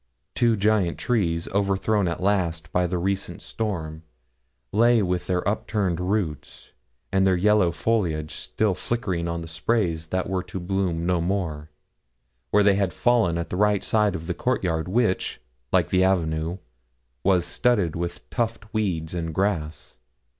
Two giant trees, overthrown at last by the recent storm, lay with their upturned roots, and their yellow foliage still flickering on the sprays that were to bloom no more, where they had fallen, at the right side of the court yard, which, like the avenue, was studded with tufted weeds and grass.